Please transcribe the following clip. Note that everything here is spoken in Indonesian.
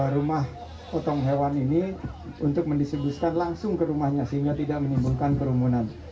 rumah potong hewan ini untuk mendistribusikan langsung ke rumahnya sehingga tidak menimbulkan kerumunan